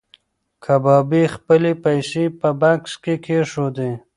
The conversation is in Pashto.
کبابي خپلې پیسې په بکس کې کېښودې.